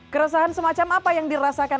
keresahan semacam apa yang dirasakan